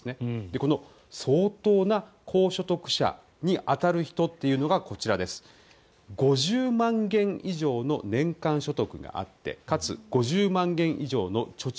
この相当な高所得者に当たる人っていうのがこちら５０万元以上の年間所得があってかつ、５０万元以上の貯蓄